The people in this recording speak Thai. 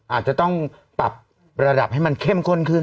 อาจจะต้องปรับระดับให้มันเข้มข้นขึ้น